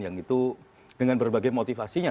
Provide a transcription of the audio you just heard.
yang itu dengan berbagai motivasinya